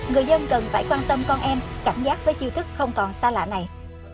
người dân cần phải quan tâm con em cảm giác với chiêu thức không còn xa lạ này